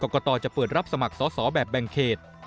กศจะเปิดรับสมัครสอแบบแบงเกจ